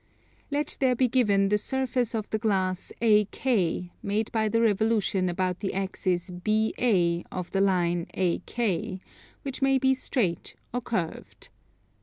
Let there be given the surface of the glass AK, made by the revolution about the axis BA of the line AK, which may be straight or curved.